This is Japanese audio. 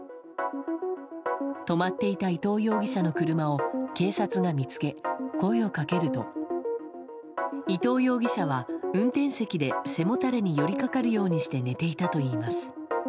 止まっていた伊藤容疑者の車を警察が見つけ声をかけると伊藤容疑者は運転席で背もたれに寄り掛かるようにして寝ていたといいます。